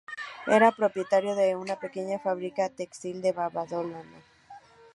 Era propietario de una pequeña fábrica textil de Badalona.